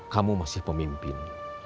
kamu masih pemimpin